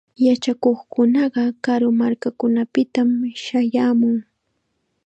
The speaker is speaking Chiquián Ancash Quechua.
Yachakuqkunaqa karu markakunapitam shayaamun.